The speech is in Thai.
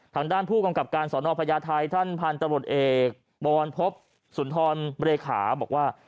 ทางด้านผู้กำกับการสอนอพญาไทยท่านพันธุ์ตำรวจเอกวรพบสุนทรเลขาบอกว่า